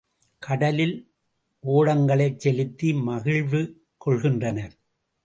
கடலில் ஓடங்களைச் செலுத்தி மசிழ்வு கொள்கின்றனர்.